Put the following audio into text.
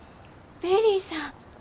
ベリーさん。